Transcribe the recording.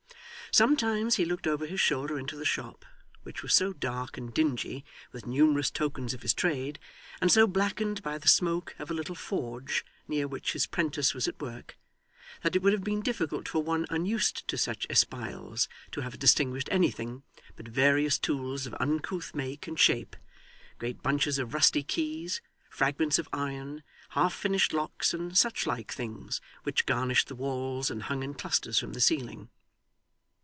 Sometimes, he looked over his shoulder into the shop, which was so dark and dingy with numerous tokens of his trade, and so blackened by the smoke of a little forge, near which his 'prentice was at work, that it would have been difficult for one unused to such espials to have distinguished anything but various tools of uncouth make and shape, great bunches of rusty keys, fragments of iron, half finished locks, and such like things, which garnished the walls and hung in clusters from the ceiling.